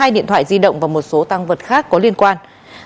hai điện thoại di động và một số tăng vật khác có liên quan